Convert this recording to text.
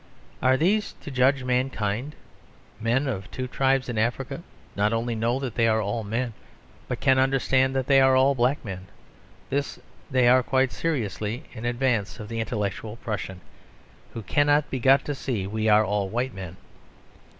Are these to judge mankind? Men of two tribes in Africa not only know that they are all men, but can understand that they are all black men. In this they are quite seriously in advance of the intellectual Prussian; who cannot be got to see that we are all white men.